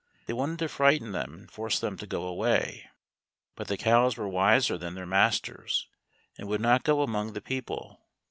They wanted to frighten them, and force them to go away. But the cows were wiser than their masters, and would not go among the people.